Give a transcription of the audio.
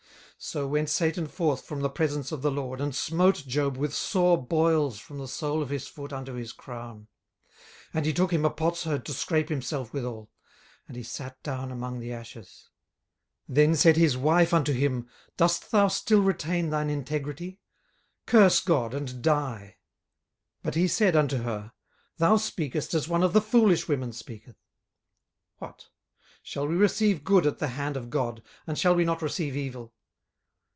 18:002:007 So went Satan forth from the presence of the LORD, and smote Job with sore boils from the sole of his foot unto his crown. 18:002:008 And he took him a potsherd to scrape himself withal; and he sat down among the ashes. 18:002:009 Then said his wife unto him, Dost thou still retain thine integrity? curse God, and die. 18:002:010 But he said unto her, Thou speakest as one of the foolish women speaketh. What? shall we receive good at the hand of God, and shall we not receive evil?